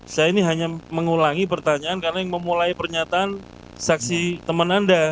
saya ini hanya mengulangi pertanyaan karena yang memulai pernyataan saksi teman anda